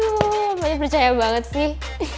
aduh banyak percaya banget sih